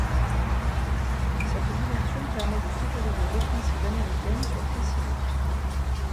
Cette diversion permet de favoriser l'offensive américaine sur Cassino.